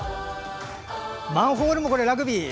マンホールもラグビー？